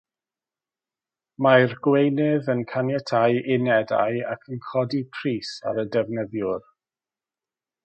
Mae'r gweinydd yn caniatáu unedau ac yn codi pris ar y defnyddiwr.